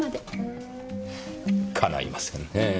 かないませんねぇ。